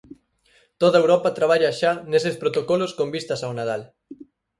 Toda Europa traballa xa neses protocolos con vistas ao Nadal.